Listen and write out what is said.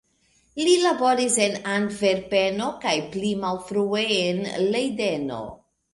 Li laboris en Antverpeno kaj pli malfrue en Lejdeno.